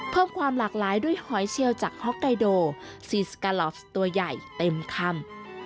เพิ่มความหลากหลายด้วยหอยเชียวจากฮอกไกโดซีสกาลอฟตัวใหญ่เต็มคำ